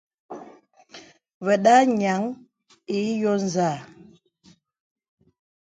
Və̀da nyaŋ ǐ yo nzâ.